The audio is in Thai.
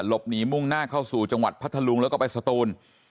หลบหนีมุ่งหน้าเข้าสู่จังหวัดพัทธลุงแล้วก็ไปสตูน